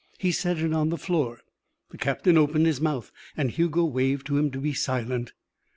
He set it on the floor. The captain opened his mouth, and Hugo waved to him to be silent.